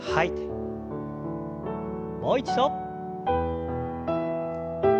もう一度。